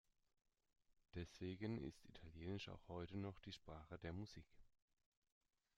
Deswegen ist Italienisch auch heute noch die Sprache der Musik.